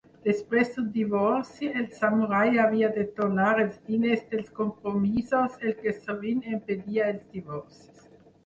Després d'un divorci, el samurai havia de tornar els diners dels compromisos, el que sovint impedia els divorcis.